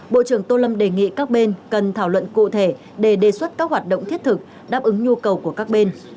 bộ trưởng tô lâm đề nghị các bên cần thảo luận cụ thể để đề xuất các hoạt động thiết thực đáp ứng nhu cầu của các bên